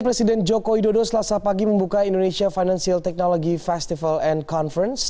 presiden joko widodo selasa pagi membuka indonesia financial technology festival and conference